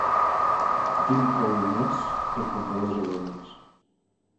Tinc prou diners per comprar les ovelles.